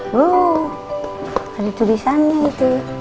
wuh ada tulisannya gitu